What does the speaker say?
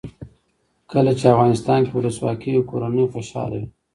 کله چې افغانستان کې ولسواکي وي کورنۍ خوشحاله وي.